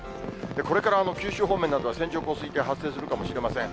これから九州方面などは線状降水帯、発生するかもしれません。